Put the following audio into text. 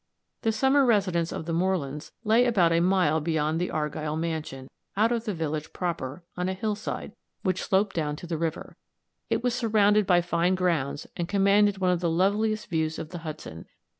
The summer residence of the Morelands lay about a mile beyond the Argyll mansion, out of the village proper, on a hillside, which sloped down to the river. It was surrounded by fine grounds, and commanded one of the loveliest views of the Hudson.